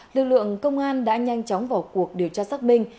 lực lượng công an đã nhanh chóng vào cuộc điều tra xác minh